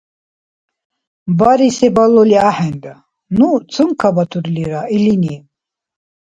Бареси балули ахӀенра. Ну цункабатурлира илини.